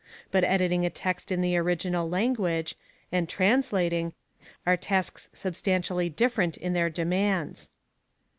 But editing a text in the original language, and translating, are tasks substantially different in their demands.